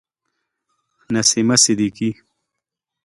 نسیمه صدیقی